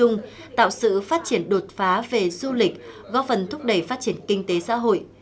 góp phần thúc đẩy phát triển kinh tế xã hội